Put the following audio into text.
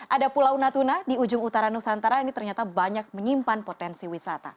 ada pulau natuna di ujung utara nusantara ini ternyata banyak menyimpan potensi wisata